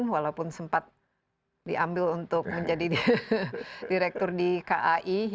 walaupun sempat diambil untuk menjadi direktur di kai